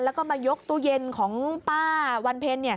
แล้วก็มายกตู้เย็นของป้าวันเพ็ญ